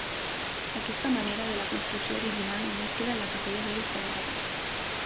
D'aquesta manera de la construcció original només queda la Capella del Sagrari.